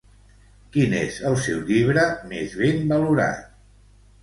Quin és el seu llibre més ben valorat?